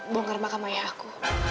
bongkar makam ayah aku